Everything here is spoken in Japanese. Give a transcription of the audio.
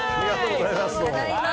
ありがとうございます！